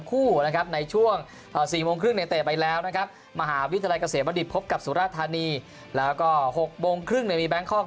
คู่นะครับในช่วง๔โมงครึ่งในเตะไปแล้วนะครับมหาวิทยาลัยเกษมบัณฑิตพบกับสุราธานีแล้วก็๖โมงครึ่งเนี่ยมีแบงคอก